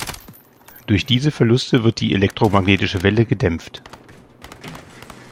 Durch diese Verluste wird die elektromagnetische Welle gedämpft.